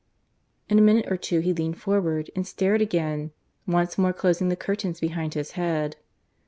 . In a minute or two he leaned forward and stared again, once more closing the curtains behind his head.